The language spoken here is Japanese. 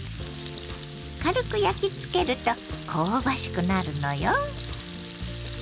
軽く焼き付けると香ばしくなるのよ。